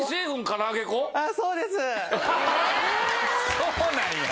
そうなんや。